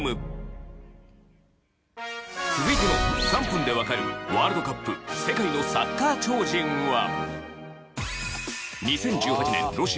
続いての３分でわかるワールドカップ世界のサッカー超人は。